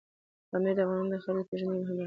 پامیر د افغانانو د فرهنګي پیژندنې یوه مهمه برخه ده.